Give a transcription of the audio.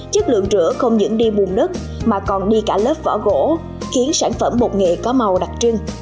chất lượng rửa không những đi buồn đất mà còn đi cả lớp vỏ gỗ khiến sản phẩm bột nghệ có màu đặc trưng